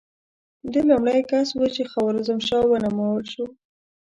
ده لومړی کس و چې خوارزم شاه ونومول شو.